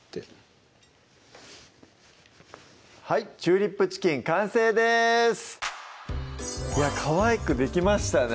はい「チューリップチキン」完成ですいやかわいくできましたね